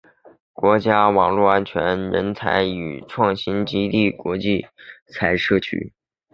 国家网络安全人才与创新基地国际人才社区